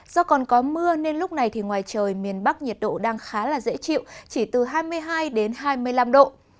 do còn có mưa nên lúc này thì ngoài trời miền bắc nhiệt độ đang khá là dễ chịu chỉ từ hai mươi hai đến hai mươi năm độ